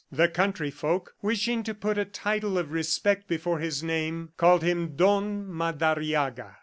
The country folk, wishing to put a title of respect before his name, called him Don Madariaga.